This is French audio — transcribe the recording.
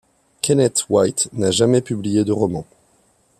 Kenneth White n’a jamais publié de roman.